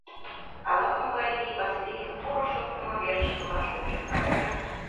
Ала-могай вий Васлийым муро шоктымо верышкыла шупшын наҥгая.